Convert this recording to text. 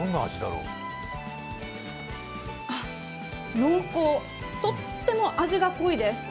濃厚、とっても味が濃いです。